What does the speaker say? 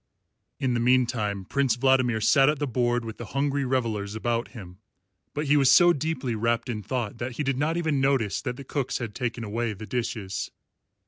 In the meantime Prince Vladimir sat at the board with the hungry revellers about him; but he was so deeply wrapped in thought that he did not even notice that the cooks had taken away the dishes.